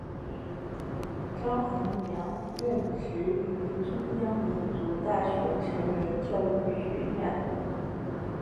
张宏良任职于中央民族大学成人教育学院。